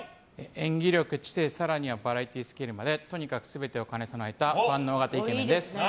演技力、知性更にはバラエティースキルまでとにかく全てを兼ね備えた万能型イケメンです。